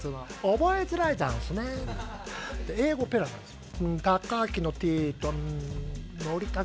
「覚えづらいざんすね」で英語ペラなんですよ